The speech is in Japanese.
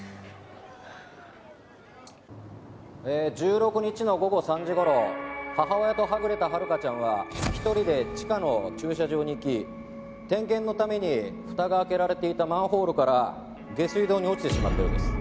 １６日の午後３時頃母親とはぐれた遥香ちゃんは一人で地下の駐車場に行き点検のために蓋が開けられていたマンホールから下水道に落ちてしまったようです。